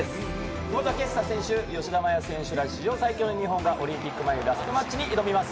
久保建英選手、吉田麻也選手ら史上最強の日本がオリンピック前、ラストマッチに挑みます。